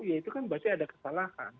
ya itu kan pasti ada kesalahan